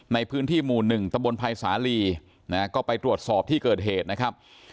ในพื้นที่หมู่๑ตะบนภัยสาลีนะฮะก็ไปตรวจสอบที่เกิดเหตุนะครับ